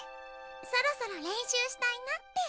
そろそろ練習したいなって。